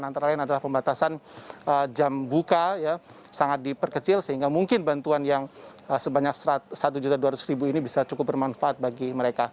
antara lain adalah pembatasan jam buka sangat diperkecil sehingga mungkin bantuan yang sebanyak rp satu dua ratus ini bisa cukup bermanfaat bagi mereka